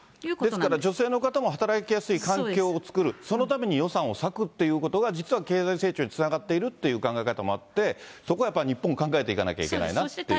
ですから、女性の方も働きやすい環境を作る、そのために予算を割くっていうことが、実は経済成長につながっているという考え方もあって、そこはやっぱり日本も考えていかなきゃいけないなっていう。